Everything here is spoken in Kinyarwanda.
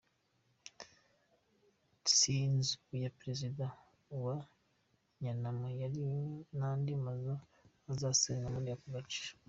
Si inzu ya Perezida wa Njyanama, hari n’andi mazu azasenywa muri ako gace.